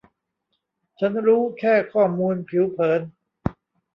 ฉันรู้แค่ข้อมูลผิวเผิน